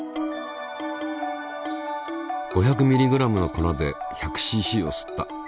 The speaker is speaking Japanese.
５００ｍｇの粉で１００ｃｃを吸った。